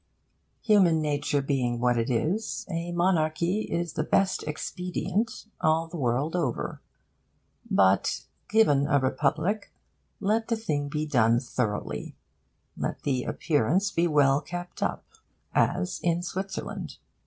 Human nature being what it is, a monarchy is the best expedient, all the world over. But, given a republic, let the thing be done thoroughly, let the appearance be well kept up, as in Switzerland.